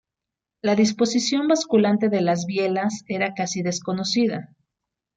La disposición basculante de las bielas era casi desconocida.